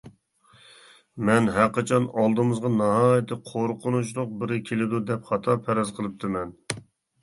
مەن ھە قاچان ئالدىمىزغا ناھايىتى قورقۇنچلۇق بىرى كېلىدۇ دەپ خاتا پەرەز قىلىپتىمەن.